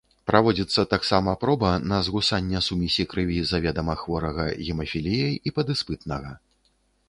Праводзіцца таксама проба на згусання сумесі крыві заведама хворага гемафіліяй і падыспытнага.